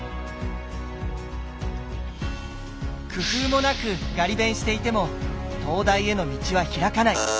工夫もなくガリ勉していても東大への道は開かない。